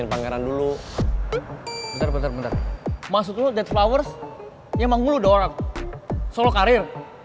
ya manggung lu udah orang solo karir